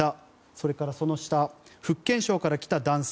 それからその下福建省から来た男性。